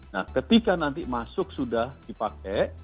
nah ketika nanti masuk sudah dipakai